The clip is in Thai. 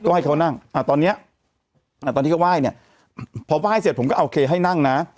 ก็ให้เขานั่งตอนเนี้ยตอนที่เขาไหว้เนี่ยพอไหว้เสร็จผมก็โอเคให้นั่งนะ